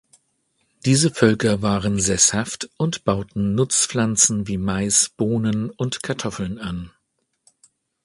Diese Völker waren sesshaft und bauten Nutzpflanzen wie Mais, Bohnen und Kartoffeln an.